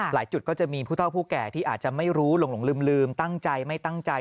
จุดก็จะมีผู้เท่าผู้แก่ที่อาจจะไม่รู้หลงลืมตั้งใจไม่ตั้งใจ